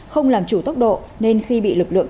không làm chủ tốc độ nên khi bị lực lượng